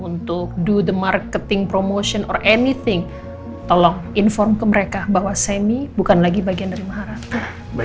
untuk do the marketing promotion or anything tolong inform ke mereka bahwa semi bukan lagi bagian dari maharator